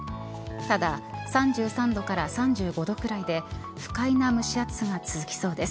ただ、３３度から３５度くらいで不快な蒸し暑さが続きそうです。